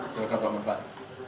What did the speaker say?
silakan pak menteri pan